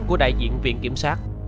của đại diện viện kiểm sát